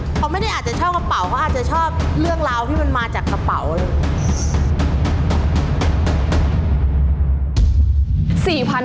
เขาไม่ได้อาจจะชอบกระเป๋าเขาอาจจะชอบเรื่องราวที่มันมาจากกระเป๋าเลย